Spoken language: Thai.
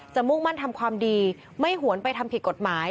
มุ่งมั่นทำความดีไม่หวนไปทำผิดกฎหมาย